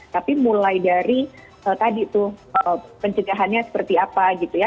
tapi mulai dari tadi tuh pencegahannya seperti apa gitu ya